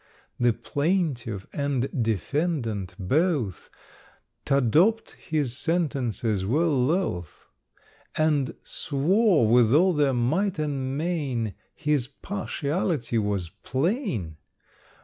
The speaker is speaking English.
The plaintiff and defendant, both, T' adopt his sentences were loth; And swore, with all their might and main, His partiality was plain.